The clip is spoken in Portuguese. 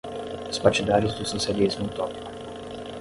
os partidários do socialismo utópico